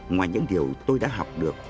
ngoài những điều tôi đã học được